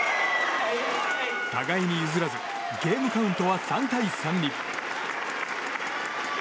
互いに譲らずゲームカウントは３対３に。